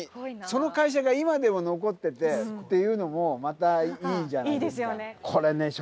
その会社が今でも残っててっていうのもまたいいんじゃないですか。